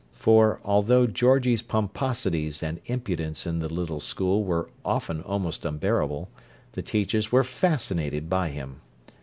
For, although Georgie's pomposities and impudence in the little school were often almost unbearable, the teachers were fascinated by him.